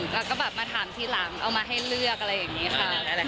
แล้วก็แบบมาถามทีหลังเอามาให้เลือกอะไรอย่างนี้ค่ะ